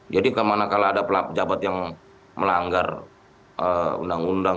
jadi kemana kala ada jabat yang melanggar undang undang